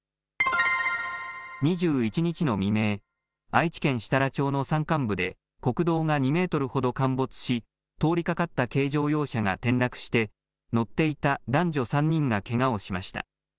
２１日の未明、愛知県設楽町の山間部で、国道が２メートルほど陥没し、通りかかった軽乗用車が転落して乗っていた男女３人がけがをしました。